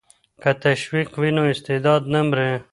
که تشویق وي نو استعداد نه مري.